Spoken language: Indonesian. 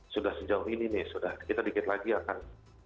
sudah sejauh ini nih sudah kita dikit lagi akan